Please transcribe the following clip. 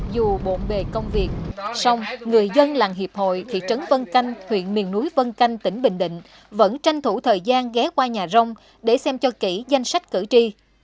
dù bộn bề công việc song người dân làng hiệp hội thị trấn vân canh huyện miền núi vân canh tỉnh bình định vẫn tranh thủ thời gian ghé qua nhà rông để xem cho kỹ danh sách cử tri